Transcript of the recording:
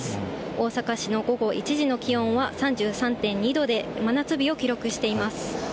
大阪市の午後１時の気温は３３．２度で、真夏日を記録しています。